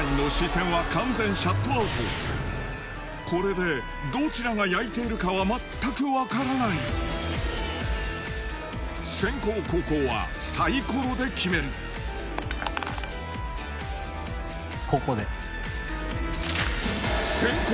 これでどちらが焼いているかは全く分からない先攻後攻はサイコロで決める後攻で。